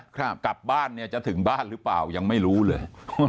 กลับบ้านเนี่ยจะถึงบ้านหรือเปล่ายังไม่รู้เลย